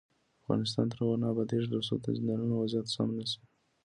افغانستان تر هغو نه ابادیږي، ترڅو د زندانونو وضعیت سم نشي.